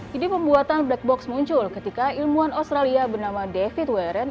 jadi pembuatan black box muncul ketika ilmuwan australia bernama david warren